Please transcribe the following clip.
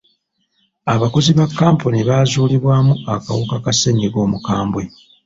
Abakozi ba kampuni bazuulibwamu akawuka ka ssenyiga omukambwe.